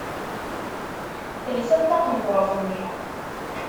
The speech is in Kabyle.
Telsa-d taqendurt-nni.